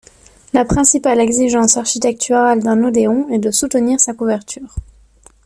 La principale exigence architecturale d’un odéon est de soutenir sa couverture.